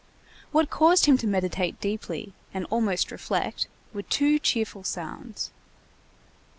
What caused him to meditate deeply, and almost reflect, were two cheerful sounds.